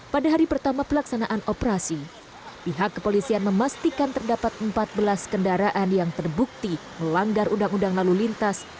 pada hari pertama pelaksanaan operasi pihak kepolisian memastikan terdapat empat belas kendaraan yang terbukti melanggar undang undang lalu lintas